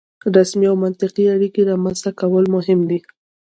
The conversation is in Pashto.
رسمي او منطقي اړیکې رامنځته کول مهم دي.